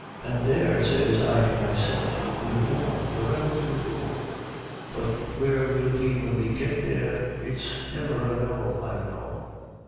"An' there," sez I to meself, "we're goin' wherever we go, But where we'll be whin we git there it's never a know I know."